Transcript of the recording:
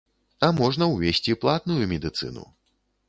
А можна увесці платную медыцыну.